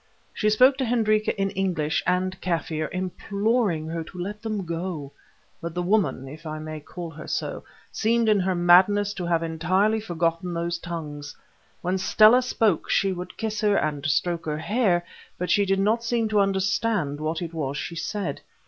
She spoke to Hendrika in English and Kaffir, imploring her to let them go; but the woman, if I may call her so, seemed in her madness to have entirely forgotten these tongues. When Stella spoke she would kiss her and stroke her hair, but she did not seem to understand what it was she said.